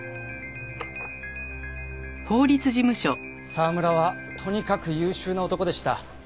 沢村はとにかく優秀な男でした。